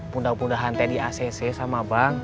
mudah mudahan teh di acc sama bang